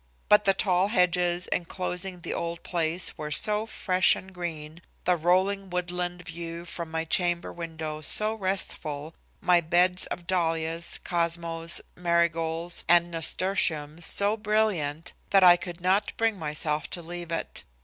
But the tall hedges inclosing the old place were so fresh and green, the rolling woodland view from my chamber window so restful, my beds of dahlias, cosmos, marigolds and nasturtiums so brilliant that I could not bring myself to leave it.